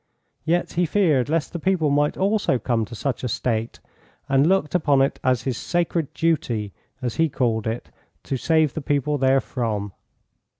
Yet he feared lest the people might also come to such a state, and looked upon it as his sacred duty, as he called it, to save the people therefrom.